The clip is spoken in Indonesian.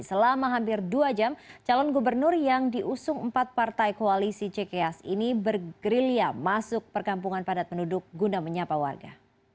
selama hampir dua jam calon gubernur yang diusung empat partai koalisi cks ini bergerilya masuk perkampungan padat penduduk guna menyapa warga